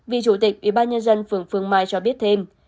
vị chủ tịch ủy ban nhân dân phường phương mai cho biết thêm